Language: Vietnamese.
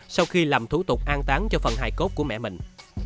sau khi làm thủ tục an tán cho phần hài cốt của mẹ mình